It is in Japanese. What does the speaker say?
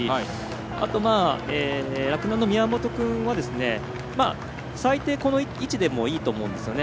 あと、洛南の宮本君は最低、この位置でもいいと思うんですよね。